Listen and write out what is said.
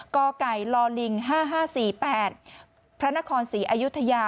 ก่อก่ายลอลิง๕๕๔๘พระนครศรีอายุทยา